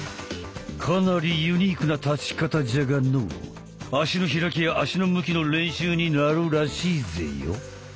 かなりユニークな立ち方じゃがのう足の開きや足の向きの練習になるらしいぜよ。